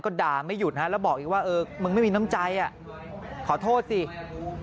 ก็ไม่ผิดหรอกไม่ผิดหรอก